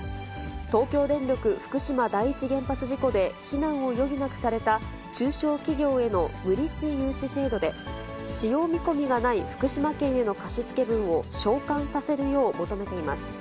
東京電力福島第一原発事故で避難を余儀なくされた中小企業への無利子融資制度で、使用見込みがない福島県への貸し付け分を償還させるよう求めています。